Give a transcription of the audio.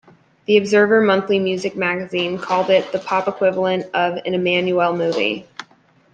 The Observer Monthly Music magazine called it "the pop equivalent of an Emmanuelle movie".